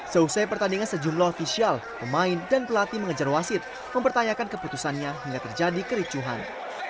seusai pertandingan sejumlah ofisial pemain dan pelatih mengejar wasit mempertanyakan keputusannya hingga terjadi kericuhan